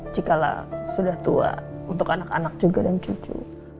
jikala sudah tua untuk anak anak juga dan cucu